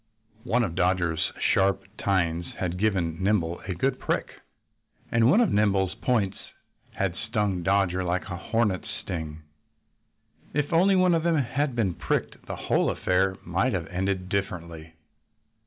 One of Dodger's sharp tines had given Nimble a good prick. And one of Nimble's points had stung Dodger like a hornet's sting. If only one of them had been pricked the whole affair might have ended differently.